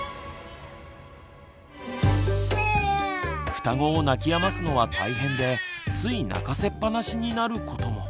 双子を泣きやますのは大変でつい泣かせっぱなしになることも。